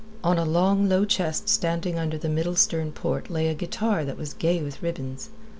On a long, low chest standing under the middle stern port lay a guitar that was gay with ribbons.